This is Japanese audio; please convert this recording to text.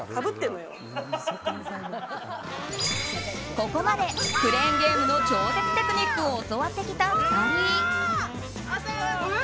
ここまでクレーンゲームの超絶テクニックを教わってきた２人。